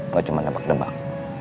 gak cuma debak debak